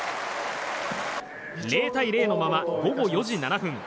０対０のまま、午後４時７分